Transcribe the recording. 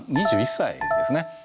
２１歳ですね。